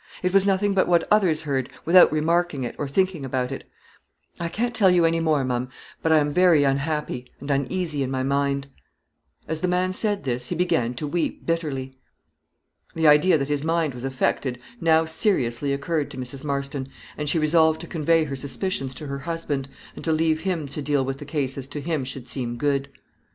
It was nothing but what others heard, without remarking it, or thinking about it. I can't tell you anymore, ma'am; but I am very unhappy, and uneasy in my mind." As the man said this, he began to weep bitterly. The idea that his mind was affected now seriously occurred to Mrs. Marston, and she resolved to convey her suspicions to her husband, and to leave him to deal with the case as to him should seem good.